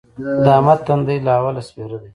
د احمد تندی له اوله سپېره دی.